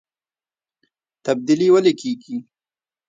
تبدیلي ولې کیږي؟